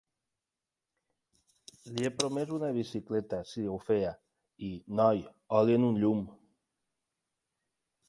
Li he promès una bicicleta si ho feia i, noi, oli en un llum!